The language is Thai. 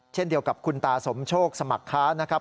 เช่นเดียวกับคุณตาสมโชคสมัครค้านะครับ